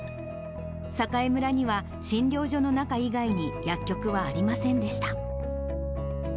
栄村には、診療所の中以外に薬局はありませんでした。